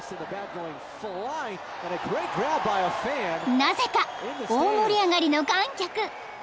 ［なぜか大盛り上がりの観客］